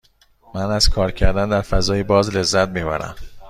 من از کار کردن در فضای باز لذت می برم.